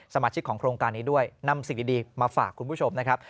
สมาชิกของโครงการนี้ด้วยนำสิ่งดีมาฝากคุณผู้ชมนะครับ